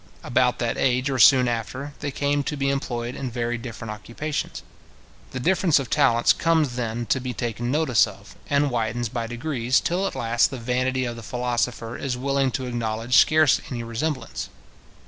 About that age, or soon after, they come to be employed in very different occupations. The difference of talents comes then to be taken notice of, and widens by degrees, till at last the vanity of the philosopher is willing to acknowledge scarce any resemblance.